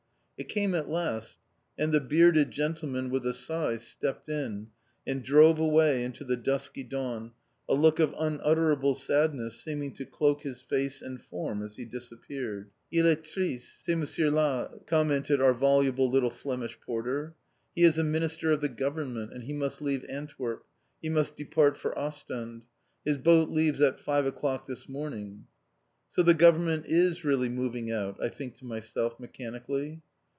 It came at last, and the bearded gentleman, with a sigh, stepped in, and drove away into the dusky dawn, a look of unutterable sadness seeming to cloak his face and form as he disappeared. "Il est triste, ce monsieur là," commented our voluble little Flemish porter. "He is a Minister of the Government, and he must leave Antwerp, he must depart for Ostend. His boat leaves at five o'clock this morning." "So the Government is really moving out," I think to myself mechanically.